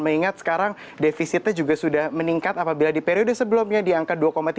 mengingat sekarang defisitnya juga sudah meningkat apabila di periode sebelumnya di angka dua tiga